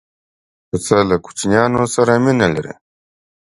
پسه له کوچنیانو سره مینه لري.